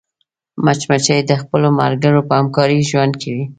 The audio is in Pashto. مچمچۍ د خپلو ملګرو په همکارۍ ژوند کوي